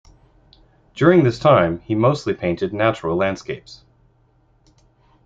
During this time, he mostly painted natural landscapes.